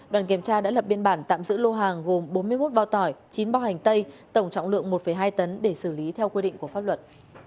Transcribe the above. đoàn kiểm tra đã lập biên bản tạm giữ lô hàng gồm bốn mươi một bao tỏi chín bao hành tây tổng trọng lượng một hai tấn để xử lý theo quy định của pháp luật